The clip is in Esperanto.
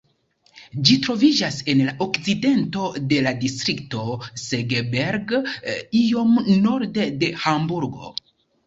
Ĝi troviĝas en la okcidento de la distrikto Segeberg, iom norde de Hamburgo.